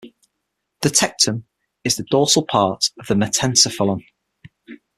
The tectum is the dorsal part of the metencephalon.